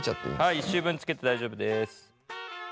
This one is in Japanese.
はい１周分つけて大丈夫です。